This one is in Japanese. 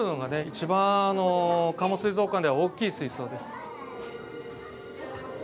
一番加茂水族館では大きい水槽です。